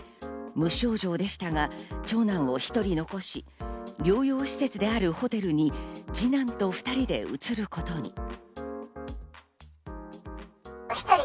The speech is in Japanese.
無症状でしたが、長男を１人残し、療養施設であるホテルに二男と２人で移ることに。